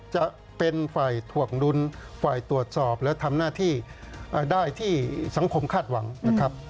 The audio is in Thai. จะเป็นฝ่ายถวงดุลฝ่ายตรวจสอบและทำหน้าที่ได้ที่สังคมคาดหวังนะครับ